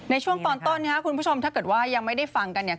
ในช่วงก่อนต้นนี้คุณผู้ชมถ้าเกิดว่ายังไม่ได้ฟังกัน